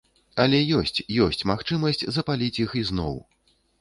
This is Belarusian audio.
Але ёсць, ёсць магчымасць запаліць іх ізноў!